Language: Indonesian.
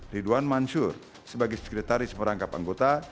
ridwan mansur sebagai sekretaris merangkap anggota